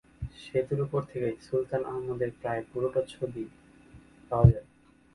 সেতুর ওপর থেকে সুলতান আহম্মদের প্রায় পুরো একটি ছবি পাওয়া যায়।